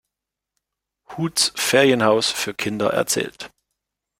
Hoods Ferienhaus für Kinder erzählt.